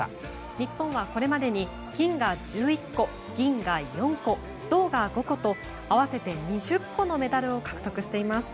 日本はこれまでに金が１１個銀が４個、銅が５個と合わせて２０個のメダルを獲得しています。